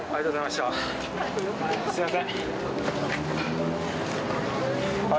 すみません。